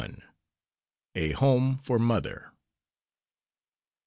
A HOME FOR MOTHER.